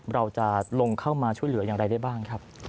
เราจะลงเข้ามาช่วยเหลืออย่างไรได้บ้างครับ